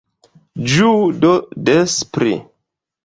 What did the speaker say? Ĝuu do des pli!